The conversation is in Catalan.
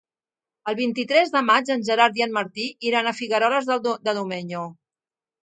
El vint-i-tres de maig en Gerard i en Martí iran a Figueroles de Domenyo.